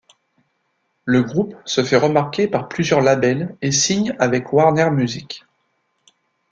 Le groupe se fait remarquer par plusieurs labels et signe avec Warner Music.